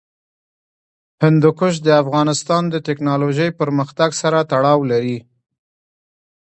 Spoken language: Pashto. هندوکش د افغانستان د تکنالوژۍ پرمختګ سره تړاو لري.